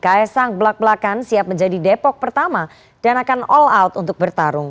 kaisang belak belakan siap menjadi depok pertama dan akan all out untuk bertarung